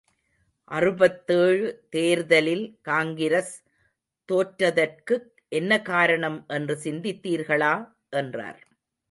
அறுபத்தேழு தேர்தலில் காங்கிரஸ் தோற்றதற்கு என்ன காரணம் என்று சிந்தித்தீர்களா? என்றார்.